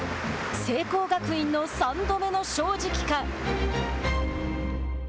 聖光学院の三度目の正直か。